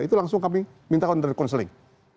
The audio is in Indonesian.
itu langsung kami minta kontrol dan konseling